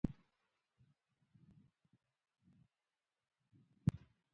سرحدونه د افغانستان د چاپیریال د مدیریت لپاره مهم دي.